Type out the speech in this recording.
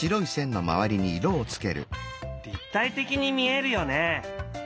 立体的に見えるよね。